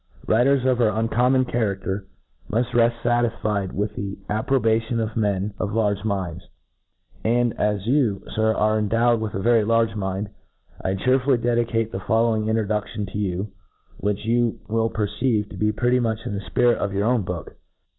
Writers of our uncommon character muft reft . PREFACE. 27 ^cft fatisficd with the approbation of men of large minds; — ^and, as you, Sir, are endowed with a very large mind, I chearfully dedicate the following introduftion ' to you, which you will perceive to be pretty much in the fpirit of your own book.